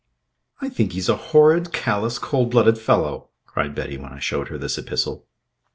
"I think he's a horrid, callous, cold blooded fellow!" cried Betty when I showed her this epistle.